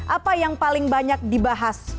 apa yang paling banyak dibahas